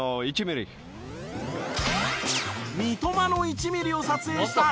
三笘の１ミリを撮影したヨセクさん。